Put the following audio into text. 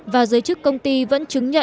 và giới chức công ty vẫn chứng nhận